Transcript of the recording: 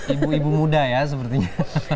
ibu ibu muda ya sepertinya